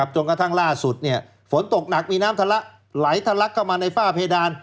จนกระทั่งล่าสุดฝนตกหนักมีน้ำทะละไหลทะลักเข้ามาในฝ้าเพดาน